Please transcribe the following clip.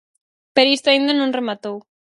Pero isto aínda non rematou.